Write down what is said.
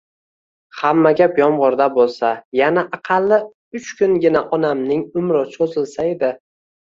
Hamma gap yomg‘irda bo‘lsa, yana aqalli uch kungina onamning umri cho‘zilsaydi.